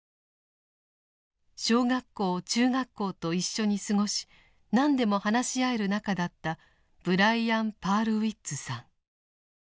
小学校中学校と一緒に過ごし何でも話し合える仲だったブライアン・パールウイッツさん。